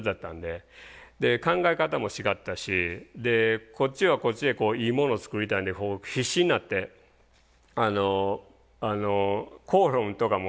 考え方も違ったしこっちはこっちでいいものを作りたいんで必死になって口論とかもなった時もありましたし。